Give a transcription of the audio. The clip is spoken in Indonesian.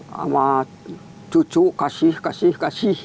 sama cucu kasih kasih kasih